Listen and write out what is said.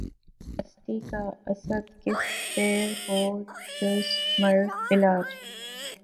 غم ہستی کا اسدؔ کس سے ہو جز مرگ علاج